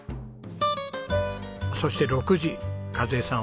そして６時和枝さん